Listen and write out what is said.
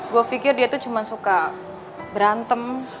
gue pikir dia tuh cuma suka berantem